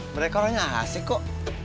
mereka orangnya asik kok